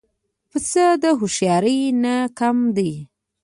پسه د هوښیارۍ نه کم دی.